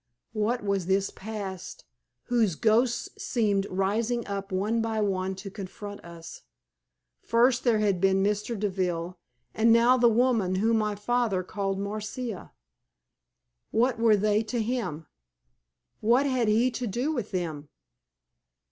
What was this past whose ghosts seemed rising up one by one to confront us? First there had been Mr. Deville, and now the woman whom my father had called Marcia. What were they to him? What had he to do with them?